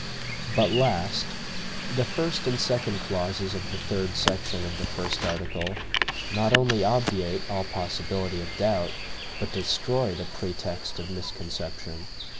But last, the first and second clauses of the third section of the first article, not only obviate all possibility of doubt, but destroy the pretext of misconception.